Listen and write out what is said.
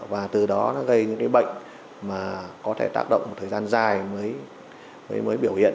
và từ đó nó gây những bệnh có thể tác động một thời gian dài mới biểu hiện